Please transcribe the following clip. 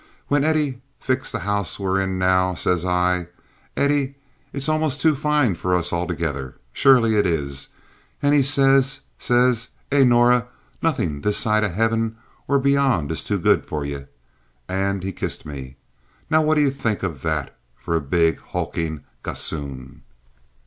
When Eddie fixed the house we're in now, says I: 'Eddie, it's almost too fine for us altogether—surely it is,' and he says, says 'e, 'Norah, nothin' this side o' heavin or beyond is too good for ye'—and he kissed me. Now what d'ye think of that fer a big, hulkin' gossoon?"